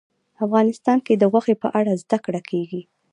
افغانستان کې د غوښې په اړه زده کړه کېږي.